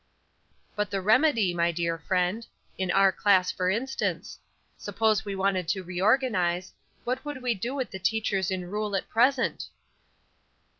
"But the remedy, my dear friend; in our class, for instance. Suppose we wanted to reorganize, what would we do with the teachers in rule at present?"